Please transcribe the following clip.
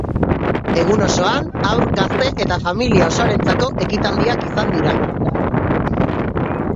Egun osoan, haur, gazte eta familia osoarentzako ekitaldiak izan dira.